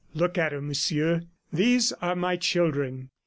"Look at her, Monsieur. ... There are my children."